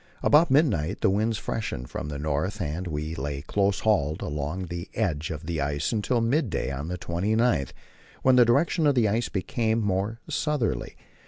About midnight the wind freshened from the north, and we lay close hauled along the edge of the ice till midday on the 29th, when the direction of the ice became more southerly.